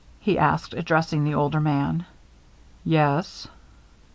he asked, addressing the older man. "Yes."